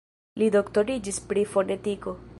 Li doktoriĝis pri fonetiko.